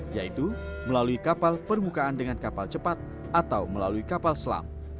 yaitu melalui kapal permukaan dengan kapal cepat atau melalui kapal selam